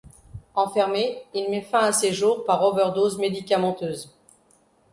Enfermé, il met fin à ses jours par overdose médicamenteuse.